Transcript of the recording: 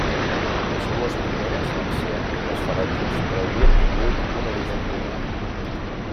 Les dues primeres van ser enemigues ferotges però haurien tingut un origen comú.